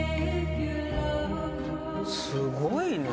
すごいね。